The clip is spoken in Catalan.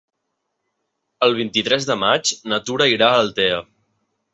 El vint-i-tres de maig na Tura irà a Altea.